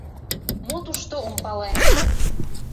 Мо тушто — ом пале.